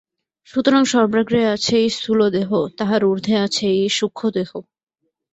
সুতরাং সর্বাগ্রে আছে এই স্থূলদেহ, তাহার ঊর্ধ্বে আছে এই সূক্ষ্মদেহ।